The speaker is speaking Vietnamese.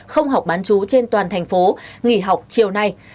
không học bán chú trên toàn thành phố nghỉ học chiều nay